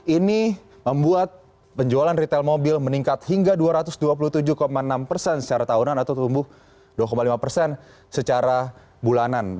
ini membuat penjualan retail mobil meningkat hingga dua ratus dua puluh tujuh enam persen secara tahunan atau tumbuh dua lima persen secara bulanan